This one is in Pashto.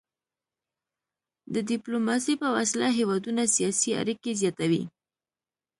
د ډيپلوماسي په وسيله هیوادونه سیاسي اړيکي زیاتوي.